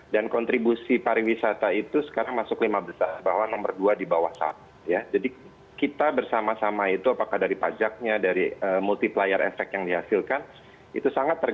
dan kemudian kalau tadi menyangkut